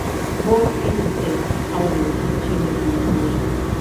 Both interstates houses interchanges in the township.